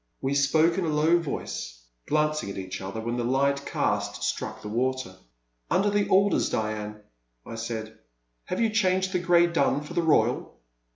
We spoke in a low voice, glancing at each other when the light cast struck the water. Under the alders Diane —*' I said; have you changed the Grey Dun for the Royal